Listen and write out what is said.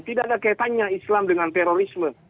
tidak ada kaitannya islam dengan terorisme